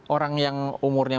orang yang umurnya